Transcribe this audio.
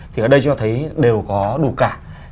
thì ở đây chúng ta thấy đều có đủ cả